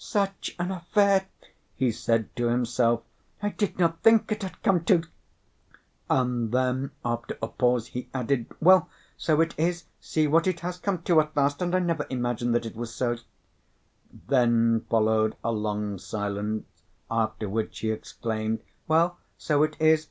"Such an affair!" he said to himself: "I did not think it had come to " and then after a pause, he added, "Well, so it is! see what it has come to at last! and I never imagined that it was so!" Then followed a long silence, after which he exclaimed, "Well, so it is!